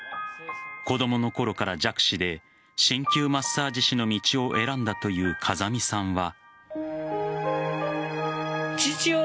子供のころから弱視で鍼灸マッサージ師の道を選んだという風見さんは。